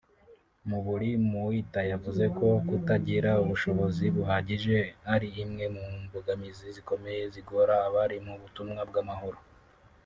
Muburi Muita yavuze ko kutagira ubushobozi buhagije ari imwe mu mbogamizi zikomeye zigora abari mu butumwa bw’amahoro